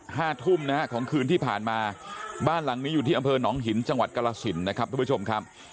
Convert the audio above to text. ห้าทุ่มนะฮะของคืนที่ผ่านมาบ้านหลังนี้อยู่ที่อำเภอหนองหินจังหวัดกรสินนะครับทุกผู้ชมครับ